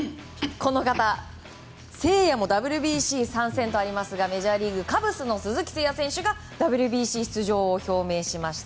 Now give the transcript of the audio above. この方誠也もＷＢＣ参戦とありますがメジャーリーグ、カブスの鈴木誠也選手がＷＢＣ出場を表明しました。